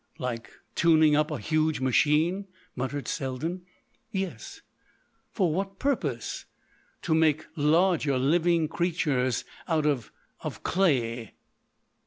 "Like tuning up a huge machine?" muttered Selden. "Yes." "For what purpose?" "To make larger living creatures out of—of clay."